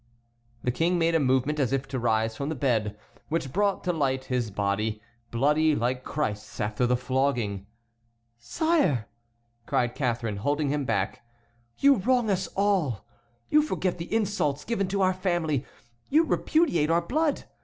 The King made a movement as if to rise from the bed, which brought to light his body, bloody like Christ's after the flogging. "Sire," cried Catharine, holding him back, "you wrong us all. You forget the insults given to our family, you repudiate our blood.